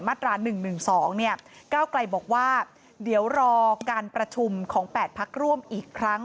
มาตรา๑๑๒ก้าวไกลบอกว่าเดี๋ยวรอการประชุมของ๘พักร่วมอีกครั้ง